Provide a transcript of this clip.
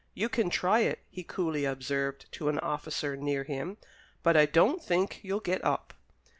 "You can try it," he coolly observed to an officer near him; "but I don't think you'll get up."